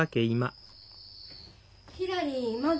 ひらりまだ？